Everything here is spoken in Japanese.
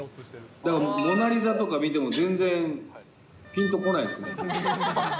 だからモナリザとか見ても、全然ぴんとこないですね。